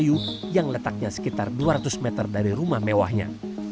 kayu yang letaknya sekitar dua ratus meter dari rumah mewahnya